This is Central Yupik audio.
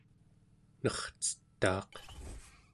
nercetaaq